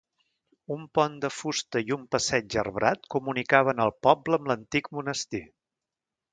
Un pont de fusta i un passeig arbrat comunicaven el poble amb l'antic monestir.